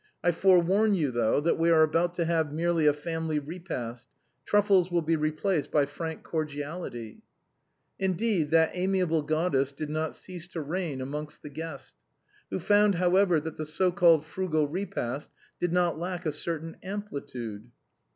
I forewarn you, though, that we are about to have merely a family repast; truffles will 1(6 replaced by frank cordiality." THE HOUSE WARMING. 157 Indeed, that amiable goddess did not cease to reign amongst the guests, who found, however, that the so called frugal repast did not lack a certain amplitude.